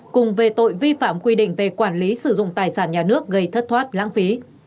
cùng về tội vi phạm quy định về quản lý sử dụng tài sản nhà nước gây thất thoát lãng phí